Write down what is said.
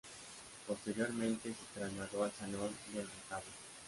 Posteriormente se trasladó al Salón del Retablo.